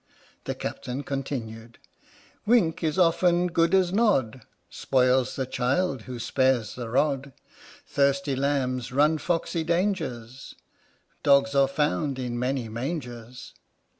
The Captain continued: Wink is often good as nod; Spoils the child who spares the rod; Thirsty lambs run foxy dangers; Dogs are found in many mangers.